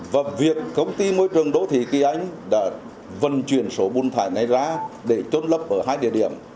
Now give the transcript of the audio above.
và việc công ty môi trường đô thị kỳ anh đã vận chuyển số bùn thải này ra để trôn lấp ở hai địa điểm